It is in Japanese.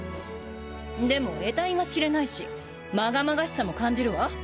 でもえたいが知れないしまがまがしさも感じるわ。